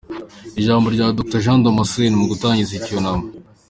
Ijambo rya Dr Jean Damascene mu gutangiza icyunamo